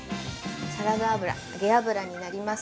サラダ油、揚げ油になります。